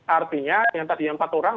artinya yang tadinya empat orang